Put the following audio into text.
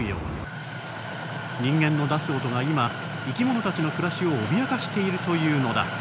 ニンゲンの出す音が今生き物たちの暮らしを脅かしているというのだ。